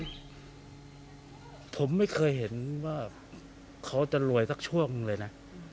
อ๋อมันผมไม่เคยเห็นว่าเขาจะรวยสักช่วงเลยนะ